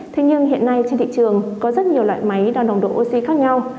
thế nhưng hiện nay trên thị trường có rất nhiều loại máy đo nồng độ oxy khác nhau